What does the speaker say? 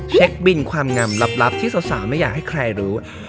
เช็คบินความงามลับที่สาวไม่อยากให้ใครรู้